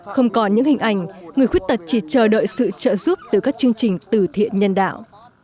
không còn những hình ảnh người khuyết tật chỉ chờ đợi sự trợ giúp từ các chương trình tử thiện nhân đạo